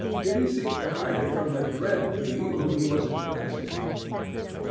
Did he seek to hide it from the dread Being whom he was addressing?